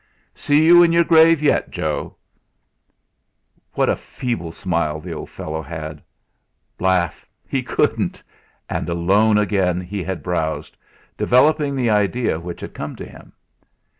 "See you in your grave yet, Joe." What a feeble smile the poor fellow had! Laugh he couldn't! And, alone again, he had browsed, developing the idea which had come to him.